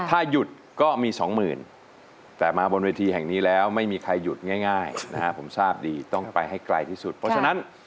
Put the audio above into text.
ถ้าหยุดก็มีสองหมื่นแต่มาบนเวทีแห่งนี้แล้วไม่มีใครหยุดง่ายนะฮะผมทราบดีต้องไปให้ไกลที่สุดเพราะฉะนั้น